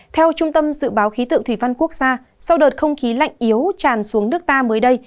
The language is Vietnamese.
theo trung tâm dự báo khí tượng thủy văn quốc gia sau đợt không khí lạnh yếu tràn xuống nước ta mới đây